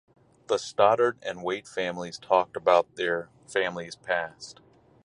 The Stoddard and Waite families talked about there families past.